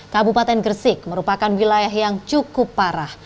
kabupaten gresik merupakan wilayah yang cukup parah